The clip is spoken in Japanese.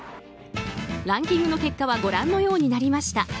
ランキングの結果はご覧のようになりました。